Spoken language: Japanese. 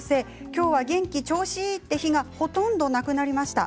今日は元気、調子いいって日がほとんどなくなりました。